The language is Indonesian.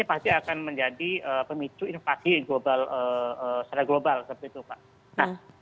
pasti akan menjadi pemicu invasi secara global seperti itu pak